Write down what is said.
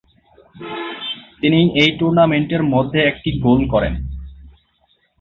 তিনি ওই টুর্নামেন্ট এর মধ্যে একটি গোল করে।